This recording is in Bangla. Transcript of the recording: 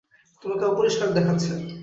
তোমাকে অপরিষ্কার দেখাচ্ছে।